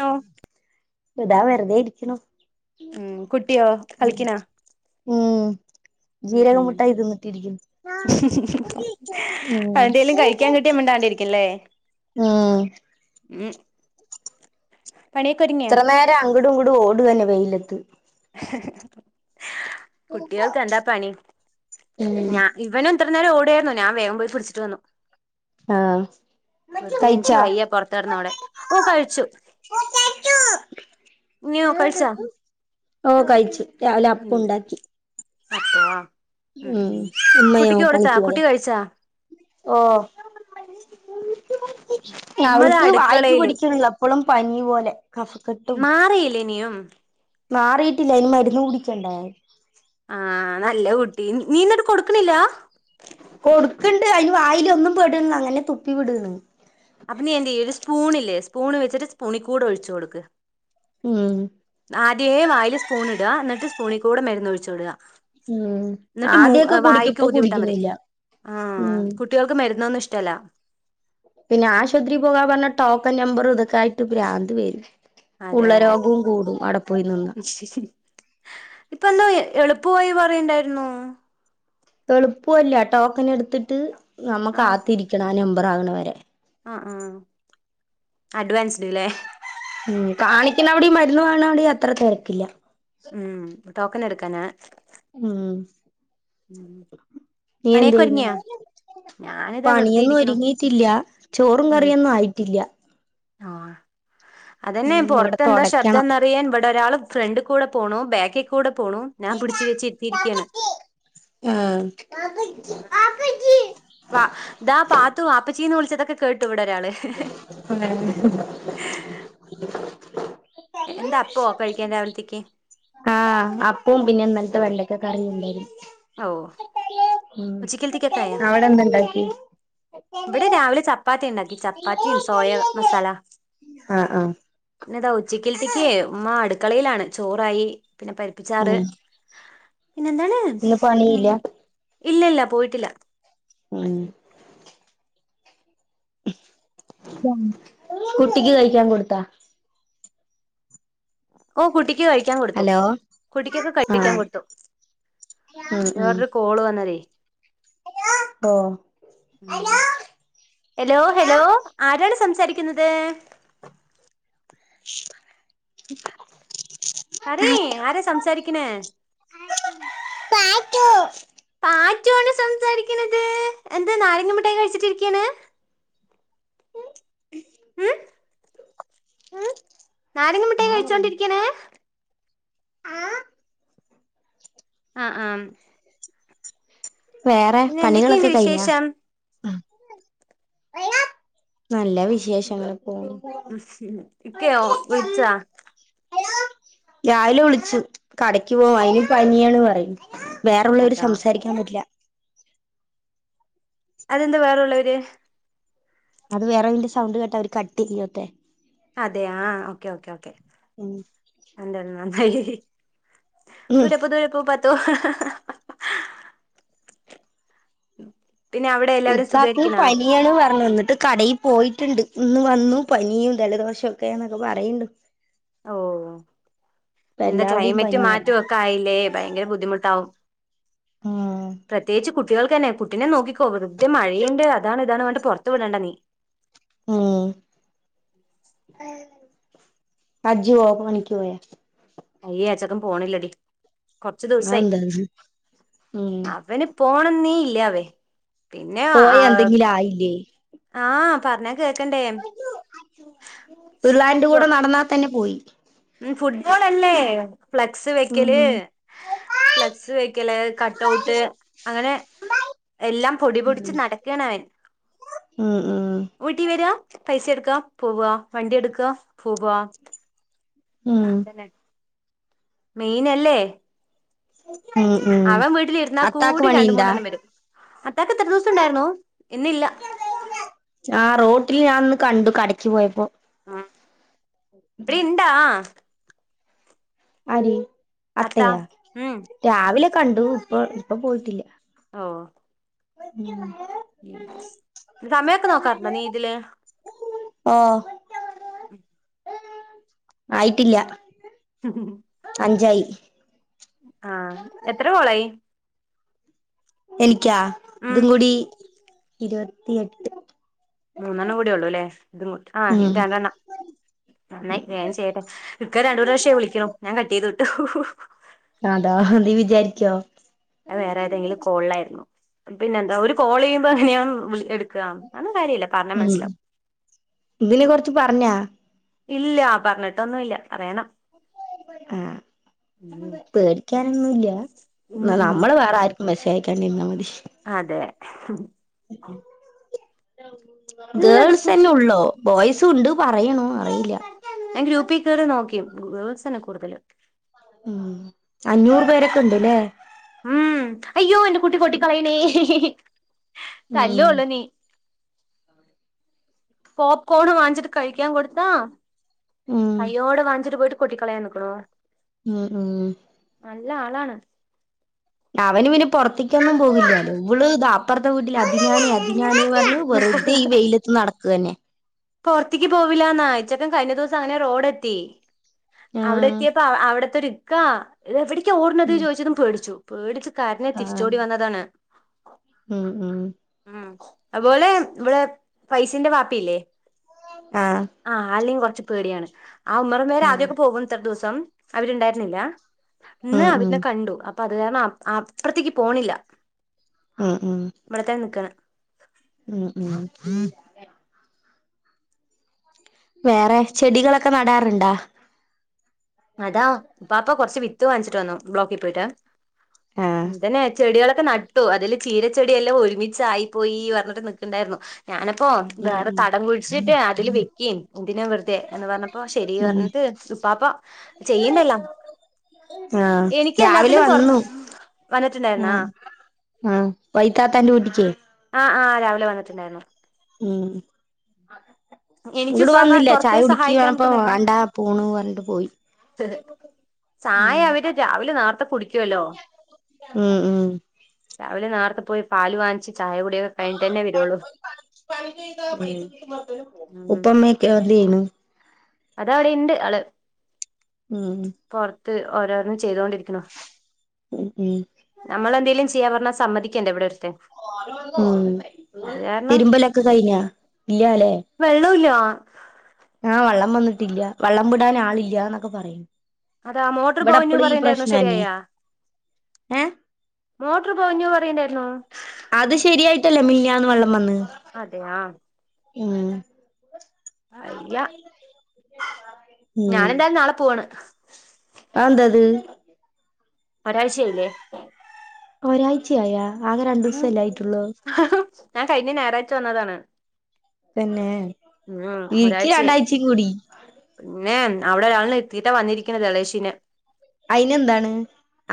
യോ ഇതാ വെറുതെ. ഉം കുട്ടിയോ കളിക്ക്ന്നോ ഉം ജീരക മുഠായി തിന്നിട്ട് ഇരിക്കുന്നു ശ ശ ശ....... എന്തേലും കഴിക്കാൻ കിട്ടിയാൽ മിണ്ടാതിരിന്നോളും. ഇത്ര നേരം അങ്ങിടും ഇങ്ങടും ഓട തന്നെ. കുട്ടികൾക്ക് എന്താ പണി. ഇവൻ ഇത്ര നേരം ഓടയായിരുന്നു ഞാ വേഗം പോയി പിടിച്ചിട്ട് വന്നു. ആഹ്. വെറുതെ എനിക്ക് കഴിച്ചാ വയ്യ പുറത്തെട്ന്ന അവിടെ ഓ കഴിച്ചു. നീയോ കഴിച്ചാ ഓ കഴിച്ചു. രാവിലെ അപ്പം ഉം ഉണ്ടാക്കി അപ്പ ഉം ഉം ഉമ്മയോ കുട്ടിക്ക് കൊടുത്താ പണിക്ക് പോയോ കുട്ടി കഴിച്ചാ. ഓ ഉമ്മ ദാ അവൾക്ക് വായിക്ക് അടുക്കളയില് പടിക്കണില്ല. അപ്പളും പനി പോലെ കഫക്കെട്ടും. മാറിയില്ലേ ഇനിയും മാറിയിട്ടില്ല ഇന് മരുന്ന് കുടിക്കണ്ടായ. ആഹ് നല്ല കുട്ടി നീ ഇന്നിട്ട് കൊടുക്കണില്ല. കൊടുക്കണ്ട് അതിന് വായില് ഒന്നും പേടില്ല അങ്ങനെ തുപ്പി വിട്ണ് അപ്പ നീഎന്റെഈ ഒരു സ്പൂണില്ലേ സ്പൂണ് വെച്ചിട്ട് സ്പൂണി കൂടെ ഒഴിച്ചു കൊടുക്ക്..... ഉം. ആദ്യേ വായില് സ്പൂൺ ഇടുക എന്നിട്ട് സ്പൂണിൽ കൂടെ മരുന്ന് ഒഴിച്ചു വിടുക. ഉം എന്നിട്ട് മ ആദ്യൊക്കെ കുടിക്കും വായിക്ക് ഇപ്പൊ ഊതി വിട്ടാ മതി. കുടിക്കുന്നില്ല ആഹ് ഉം കുട്ടികൾക്ക് മരുന്നൊന്നും ഇഷ്ടല്ല. പിന്നെ ആശുപത്രിൽ പോകാൻ പറഞ്ഞാ ടോക്കൺ നമ്പർ ഇത്ക്കായിട്ട് പ്രാന്ത് വരും. അതെ ഉള്ള അതെ രോഗവും കൂടും അവിടെ പോയി നിന്നാ ഇപ്പ എന്താ എളുപ്പായി പറയണ്ടായിരുന്നു. എളുപ്പല്ല ടോക്കൺ എടുത്തിട്ട് നമ്മുക്ക് കാത്തിരിക്കണം ആ നമ്പർ ആകണ വരെ. ആഹ് ആ അഡ്വാൻസ്ഡ് അല്ലേ. ഉം കാണിക്കണ അവിടെം ഈ മരുന്ന് വാങ്ങ്ണവിടേം അത്ര തിരക്കില്ല. ഉം ടോക്കൻ എടുക്കാനാ. ഉം നീ പണി എന്ത് ഒക്കെ ചെയ്യണ് ഒരുങ്ങിയാ ഞാനിതാ വെറുതെ പണിയൊന്നും ഇരിക്കണു ഒരുങ്ങിയിട്ടില്ല ചോറും കറിയൊന്നും ആയിട്ടില്ല. അതെന്നെ ഉം ഇവിടെ പൊറത്ത് എന്താ തൊടയ്ക്കണം ശബ്ദ്ദന്നറിയാൻ ഇവിടെ ഒരാൾ. ഫ്രണ്ട് കൂടെ പോണു ബാക്കിൽ കൂടെ പോണൂ ഞാൻ പിടിച്ച് വെച്ചിരിത്തിയിരിക്കയാണ്. ആഹ് വ ദാ പാത്തു വാപ്പച്ചീന്ന് വിളിച്ചതൊക്കെ. കേട്ടു ഇവിടൊരാള് എന്താ അപ്പോ കഴിക്കാൻ രാവിലത്തേക്ക..... ആ അപ്പോ പിന്നെ ഇന്നലത്തെ വെള്ളക്കക്ക കറീണ്ടായിരുന്നു ഔ ഉം അവടെ എന്ത ഇണ്ടാക്കി ഇവിടെ രാവിലെ ചപ്പാത്തി ഇണ്ടാക്കി ചപ്പാത്തിം സോയ മസാല ആഹ് ആഹ് പിന്നെതാ ഉച്ചക്കല്ത്തക്ക് ഉമ്മ അട്ക്കളയിലാണ് ചോറായി പിന്നെ പരിപ്പിച്ചാറ് ഉം പിന്നെ എന്താണ് ഇന്ന് ഉം പണിയില്ല ഇല്ല ഇല്ല പോയിട്ടില്ല ആ [inaudible] കുട്ടിക്ക് കയിക്കാൻ കൊടുത്താ ഓ കുട്ടിക്ക് കഴിക്കാൻ കൊടുത്തു ഹലോ കുട്ടിക്കൊക്കെ കഴിക്കാൻ ആഹ് കൊടുത്തു ഉം ഉം വേറൊരു കോള് വന്നതെ ഓ ഹെലോ ഹെലോ ആരാണ് സംസാരിക്കുന്നത് പറയ് ആര സംസാരിക്കണ് പാച്ചു പാച്ചുവാണ് സംസാരിക്കണത് എന്താ നാരങ്ങ മുട്ടായി കഴിച്ചിട്ടിരിക്ക്യണ് ഉം ഉം ഉം നാരങ്ങ മുട്ടായി കഴിച്ചോണ്ടിരിക്കണ് ആ ആഹ് ആഹ് വേറെ പിന്നെ എന്തൊക്കെയുണ്ട് പണികളൊക്കെ കയിഞ്ഞാ വിശേഷം നല്ല വിശേഷങ്ങള് പോണു ഇക്കെയോ വിളിച്ചാ രാവിലെ വിളിച്ചു കടക്ക് പോവാൻ ഓ അയിന് പനിയാണ് പറയും വേറള്ളോര് അതാ സംസാരിക്കാൻ പറ്റില്ല അതെന്താ വേറെള്ളോര് അത് വേറെ ഇതിന്റെ സൗണ്ട് കേട്ടാ അവര് കട്ടെയ്യോത്തെ അതെ ആ ഓക്കേ ഓക്കേ ഓക്കേ [inaudible] ഉം ഉം [inaudible] പിന്നെ അവിടെ എല്ലാവരും ഇക്കാക്ക് സുഖായിരിക്കണാ പനിയാണ് പറഞ്ഞു ഇന്നിട്ട് കടയി പോയിട്ടുണ്ട് ഇന്ന് വന്നു പനിയും ജലദോഷൊക്കെ എന്നൊക്കെ പറയിണ്ട് ഓ എന്താ എല്ലാവിടെയും ക്ലൈമറ്റ് പനിയല്ലേ മാറ്റൊക്കെ ആയില്ലേ ഭയങ്കര ബുദ്ധിമുട്ടാവും ഉം പ്രത്യേകിച്ച് കുട്ടികൾ ക്കന്നെ കുട്ടിനെ നോക്കിക്കോ വെറുതെ മഴയുണ്ട് അതാണ് ഇതാണ് വേണ്ട പുറത്ത് വിടേണ്ട നീ ഉം അജുഓന്ന് വിളിക്കണ് അയ്യ അച്ചെക്കൻ പോണില്ലടി കൊറച്ചു ദിവസായി അതെന്താ ഉം അവന് പോണംന്നേ ഇല്ലാവേ പിന്നെ ആ പോയ എന്തെങ്കിലും ആയില്ലേ ആ പറഞ്ഞ കേക്കണ്ടേ ഇന്നാ തന്നെ പോയി ഫുട്ബോളല്ലേ ഫ്ലക്സ് ഉം വെക്കല് ഫ്ലക്സ് വെക്കല് കട്ട്ഔട്ട് അങ്ങനെ എല്ലാം പൊടി ഉം പൊടിച്ച് നടക്കേണ് അവൻ ഉം ഉം വീട്ടീ വെരാ പൈസ എട്ക്കാ പോവാ വണ്ടി എട്ക്കാ പോവാ [unintelligible] മെയ്‌നല്ലേ ഉം ഉം അവൻ അത്താക്ക് വീട്ടിലിരുന്നാകൂടി രണ്ട് പണിയുണ്ടാ മൂന്നെണ്ണം വെരും അത്താക്കെത്രദിവസം ഇണ്ടാർന്നു ഇന്നില്ല ആഹ് റോട്ടില്ഞാ അന്ന് കണ്ടു കടക്ക് പോയപ്പൊ അഹ് ഇവിടിണ്ടാ ആരീ അത്താ അത്തയാ ഉം രാവിലെ കണ്ടു ഇപ്പ ഇപ്പ പോയിട്ടില്ല ഓഹ് ഉം ഉം സമയൊക്കെ നോക്കാറുണ്ടോ നീ ഇതില് ഓഹ് ആയിട്ടില്ല [unintelligible] അഞ്ചായി ആഹ് എത്രകോളായി എനിക്കാ ഉം ഇതുംകൂടി ഇരുവത്തിഎട്ട് മൂന്നെണ്ണം കൂടി ഒള്ളൂല്ലേ ഇതും കൂട്ടി ആഹ് രണ്ടെണ്ണം നന്നായി വേഗം ചെയ്തോ ഇക്ക രണ്ടൂന്ന് പ്രാവശ്യായി വിളിക്കണു ഞാൻ കട്ടെയ്ത് വിട്ടു അതാ എന്തീ വിചാരിക്ക്യോ അത് വേറെ ഏതെങ്കിലും കോളിലായിരുന്നു പിന്നെ എന്താ ഒരു കോളെയ്യുമ്പ എങ്ങിനെയാ വിളി എട്ക്കാ അതൊന്നും കാര്യില്ല ഉം ഇതിനെ കൊറച്ച് പറഞ്ഞാ ഇല്ല പറഞ്ഞിട്ടൊന്നു ഇല്ല പറയണം ആഹ് പേടിക്കാനൊന്നുല്ല ഉം ഉം നനമ്മള് വേറെ ആര് ക്കും മെസ്സേജയക്കാണ്ടിരിന്നാ മതി അതേ എല്ലാതിപ്പോ ഗേൾസന്നൊള്ളോ ബോയ്സു ഉണ്ട് പറയണു അറിയില്ല ഞാൻ ഗ്രൂപ്പി കേറി നോക്കി ഗേൾസന്നെ കൂടുതല് ഉം അഞ്ഞൂറ് പേരൊക്കെ ഇണ്ട്ല്ലേ ഉം അയ്യോ എന്റെ കുട്ടി കൊട്ടിക്കളയണേ ഉം പോപ്കോണ് വാങ്ങിച്ചിട്ട് കഴിക്കാൻ കൊടുത്താ ഉം കയ്യോടെ വാങ്ങിച്ചിട്ട് പോയിട്ട് കൊട്ടിക്കളയാൻ നിക്കണു ഉം ഉം നല്ല ആളാണ് അവനു വിനു പൊറത്ത്ക്കൊന്നും പോകില്ലാല്ലൊ ഇവള് ദാ അപ്പറത്തെ വീട്ടിലെ അതിനാന് അതിനാന് പർണ് വെറുതെ ഈ വെയ്ല ത്ത് നടക്ക് ‌അന്നെ പൊർത്തേക്ക് പോവില്ലാന്നാ ഇ ചെക്കൻ കഴിഞ്ഞ ദിവസം അങ്ങനെ റോഡെത്തി ആഹ് അവിടെത്തിയപ്പ അ അവിടത്തൊര് ഇക്കാ എവിട്ക്കാ ഓടണത് ഉം ചോദിച്ചതും പേടിച്ചു പേടിച്ച് കരഞ്ഞ് ആഹ് തിരിച്ചോടി വന്നതാണ് ഉം ഉം ഉം അത്പോലെ ഇവടെ പൈസിന്റെ വാപ്പില്ലേ ആഹ് ആഹ് ആള്നേം കൊർച്ച് പേടിയാണ് ആ ഉമ്മറം വരെ ഉം ആദ്യൊക്കെ പോകും ഇത്ര ദിവസം അവരിണ്ടായിരുന്നില്ലാ ഇന്ന് ഉം ഉം അവര്ന്നെ കണ്ടു അപ്പൊ അത് കാരണം അ അപ്പർത്ത്ക്ക് പോണില്ല ഉ ഉം ഇവിടെത്തന്നെ നിക്കാണ് ഉം ഉം വേറെ ചെടികളൊക്കെ നടാറുണ്ടാ അതാ ഉപ്പാപ്പ കൊറച്ച് വിത്ത് വാങ്ങിച്ചിട്ട് വന്നു ബ്ലോക്കിൽ പോയിട്ട് ആഹ് എന്തിനാ ചെടികളൊക്കെ ന ട്ടു അതില് ചീരച്ചെടിയെല്ലാം ഒരുമിച്ചായിപ്പോയി പറഞ്ഞിട്ട് നിക്കണ്ടാരുന്നു ഞാനപ്പോ ഉം വേറെ ഉം തടം കുഴിച്ചിട്ട് അതില് വെക്കിൻ എന്തിനാ വെറുതെ എന്ന് പറഞ്ഞപ്പോ ശരി ഉം പറഞ്ഞ് ത് ഉപ്പാപ്പ ചെയ്യണ്ടെല്ലാം ആഹ് എനിക്ക് രാവിലെ എല്ലാത്തിനും പുറ വന്നു വന്നിട്ടുണ്ടായിരുന്നാ ഉം ആഹ് വൈത്താത്താന്റെ ഊറ്റിക്കേ ആഹ് ആഹ് രാവിലെ വന്നിട്ടുണ്ടാരുന്നു ഉം എനിക്ക് ഇങ്ങട് ഉപ്പാപ്പ വന്നില്ല പുറത്ത് ചായ പോയി കുടിക്കിന്ന് സഹായിക്കാൻ പറഞ്ഞപ്പോ വന്നിട്ടുണ്ടായിരുന്നു വേണ്ടാ പോണൂ പറഞ്ഞിട്ട് പോയി ചായ ഉം അവര് രാവിലെ നേർത്തെ കുടിക്കുവല്ലോ ഉം ഉം രാവിലെ നേർത്തെ പോയി പാല് വാങ്ങിച്ച് ചായ കുടി ഉം ഉം ഉപ്പം മെക്കാദ്യയ്നു അതവിടെ ഇണ്ട് അള് ഉം പൊറത്ത് ഓരോന്നും ചെയ്തൊണ്ടിരിക്കണു ഉം ഉം നമ്മൾ എന്തേലും ചെയ്യാൻ പറഞ്ഞാ സമ്മതിക്കണ്ടേ ഇവിടൊരുത്തൻ ഉം തിരുമ്പലൊക്കെ കഴിഞ്ഞാ ഇല്ലാലെ വെള്ളോല്ലാ ആഹ് വെള്ളം വന്നിട്ടില്ല വെള്ളം വിടാൻ ആളില്ല്യാ എന്നൊക്കെ പറയും അതാ മോട്ടർ ഇവിടെ പൊകഞ്ഞു എപ്പളും ഈ പറയണ്ടായിരുന്നു പ്രശ്നം തന്നെ ശരിയായാ ഏഹ് മോട്ടർ പൊകഞ്ഞു പറയണ്ടായിരുന്നു അത് ശരിയായിട്ടല്ലേ മിനിഞ്ഞാന്ന് വെള്ളം വന്ന് അതെ ആഹ് ഉം അയ്യ ഉം ഞാനെന്തായാലും നാളെ പോവുവാണ് അതെന്തത് ഒരാഴ്ച്ചയായില്ലേ ഒരാഴ്ചയായാ ആകെ രണ്ടു ഉം ദിവസല്ലേ ആയിട്ടുള്ളു ഞാൻ കഴിഞ്ഞ ഞായറാഴ്ച വന്നതാണ് തെന്നെ. ഉം ഇരിക്കി ഒരാഴ്ചയായി രണ്ടായ്ചെം കൂടി പിന്നെ അവിടെ ഒരാളിനെ ഇരിത്തീട്ടാ വന്നിരിക്കണത് [unintelligible] അയിന് എന്താണ്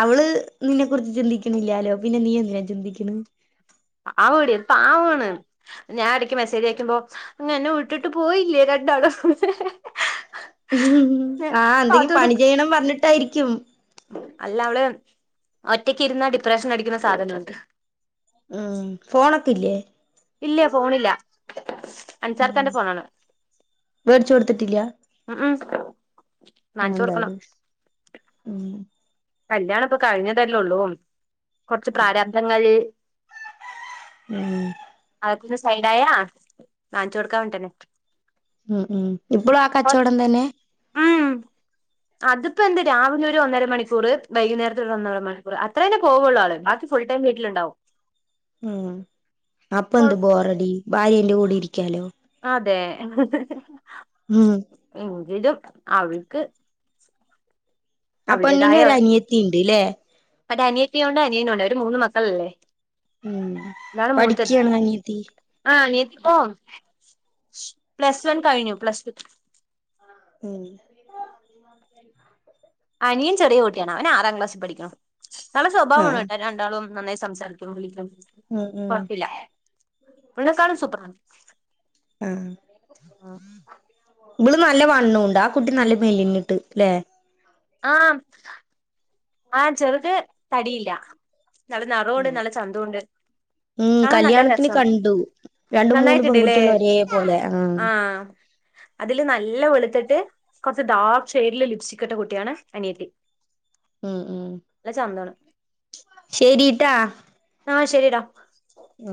അവള് നിന്നെക്കുറിച്ച് ചിന്തിക്കണില്ലാലോ പിന്നെ നീ എന്തിനാ ചിന്തിക്കണ് [unintelligible] പാവാണ് ഞാൻ എടക്ക് മെസേജ് അയക്കുമ്പോ ങ്ങ് എന്നെ വിട്ടിട്ട് പോയില്ലേ രണ്ടാളും ആഹ് അപ്പൊ എന്തെങ്കിലും അതുകൊണ്ട് പണി ചെയ്യണം പറഞ്ഞിട്ടായിരിക്കും അല്ല അവള് ഒറ്റക്ക് ഇരുന്നാ ഡിപ്രഷൻ അടിക്കുന്ന സാധനാണ് ഉം ഫോണൊക്കെ ഇല്ലേ ഇല്ല ഫോണില്ല ഉം അൻസാർക്കാന്റെ ഫോണാണ് വേടിച്ച് കൊടുത്തിട്ടിലാ ഉം ഉം വാങ്ങിച്ചു കൊടുക്കണം അതെന്താത് ഉം കല്യാണം ഇപ്പ കഴിഞ്ഞതല്ലേ ഉള്ളൂ കൊറച്ച് പ്രാരാബ്ധങ്ങൾ ഉം അതൊക്കെ ഒന്ന് സൈഡ് ആയാ വാങ്ങിച്ച് കൊടുക്കാ വേണ്ടിട്ടാണ് ഉം ഉം ഇപ്പളും ആ കച്ചോടം തന്നെ ഉം അതിപ്പോ എന്ത് രാവിലെ ഒരു ഒന്നര മണി കൂറ് വൈകുനേരത്ത് ഒന്നരമണിക്കൂറ് അത്രന്നെ പോവുള്ളൂ ആള് ബാക്കി ഫുൾടൈം വീട്ടില്ണ്ടാവും ഉം അപ്പെന്ത് കുഴപ്പമില്ല ബോറടി ഭാര്യന്റെ കൂടെ ഇരിക്കാലൊ അതെ ഉം എങ്കിലും അവര്ക്ക് ആ പെണ്ണിന് ഒരനിയത്തി ണ്ട്ല്ലേ ഒരനിയത്തി ഉണ്ട് അനിയനുണ്ട് ഓര് മൂന്ന് മക്കളല്ലേ ഉം ന്നാലും മൂത്ത പഠിക്കാണ് അനിയത്തി ആ അനിയത്തിപ്പോ പ്ലസ് വൺ കഴിഞ്ഞു പ്ലസ് ടു ഉം അനിയൻ ചെറിയ കുട്ട്യാണ് അവൻ ആറാം ക്ലാസിൽ പഠിക്ക്ണു നല്ല ആഹ് സ്വഭാവാണ് ട്ടോ രണ്ടാളും നന്നായി സംസാരിക്കും വിളിക്കും ഉം ഉം കൊഴപ്പല്ല [unintelligible] കാളും സൂപ്രാണ് ആ ഇബള് നല്ല വണ്ണുണ്ട് ആ കുട്ടി നല്ല മെലിഞ്ഞിട്ട് ല്ലെ ആ ആ ചെറുത് തടില്ല നല്ല നറോണ്ട് ഉം നല്ല ചന്തോംണ്ട് ഉം കല്യാണത്തിന് കണ്ടു രണ്ട് മൂന്ന് നന്നായിട്ടുണ്ടല്ലേ പെൺകുട്ട്യാള് ഒരേ പോലെ ആ ആഹ് അതില് നല്ല വെള്ത്ത്ട്ട് കൊർച്ച് ഡാർക്ക് ഷെയ്ഡില് ലിപ്സ്റ്റിക് ഇട്ട കുട്ടിയാണ് അനിയത്തി ഉം ഉം ല്ല ചന്താണ് ശെരി ട്ടോ ആ ശെരിടാ ഉം